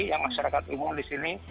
yang masyarakat umum di sini